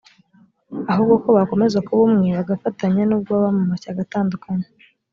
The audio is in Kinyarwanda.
ahubwo ko bakomeza kuba umwe bagafatanya n’ubwo baba mu mashyaka atandukanye